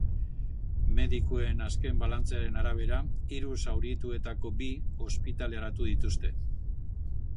Medikuen azken balantzearen arabera, hiru zaurituetako bi ospitaleratu dituzte.